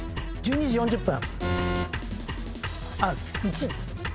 ２時４０分。